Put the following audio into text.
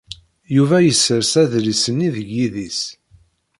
Yuba yessers adlis-nni deg yidis.